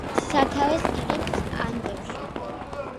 სათავეს იღებს ანდებში.